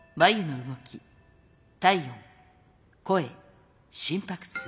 唇眉の動き体温声心拍数。